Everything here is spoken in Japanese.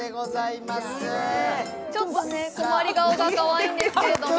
ちょっと困り顔がかわいいんですけど。